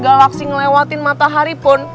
galaksi ngelewatin matahari pun